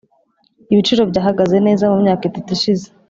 ibiciro byahagaze neza mumyaka itatu ishize.